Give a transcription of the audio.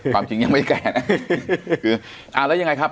ความจริงยังไม่แก่นะคืออ่าแล้วยังไงครับ